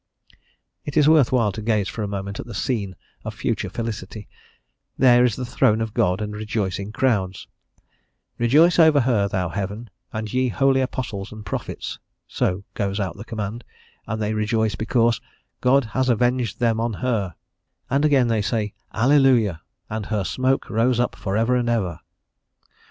It is worth while to gaze for a moment at the scene of future felicity; there is the throne of God and rejoicing crowds: "Rejoice over her, thou heaven, and ye holy apostles and prophets," so goes out the command, and they rejoice because "God has avenged them on her," and again they said "Alleluia, and her smoke rose up for ever and ever."